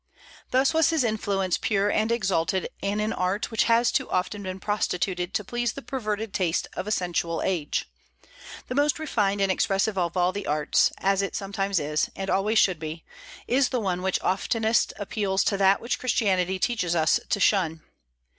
Thus was his influence pure and exalted in an art which has too often been prostituted to please the perverted taste of a sensual age. The most refined and expressive of all the arts, as it sometimes is, and always should be, is the one which oftenest appeals to that which Christianity teaches us to shun.